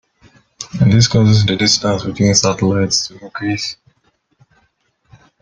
This causes the distance between the satellites to increase.